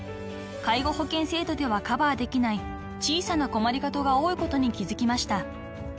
介護保険制度ではカバーできない小さな困りごとが多いことに気付きました］